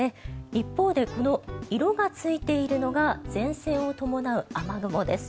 一方でこの色がついているのが前線を伴う雨雲です。